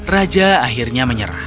raja akhirnya menyerah